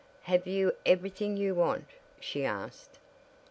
"Have you everything you want?" she asked.